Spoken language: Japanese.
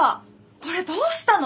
これどうしたの！？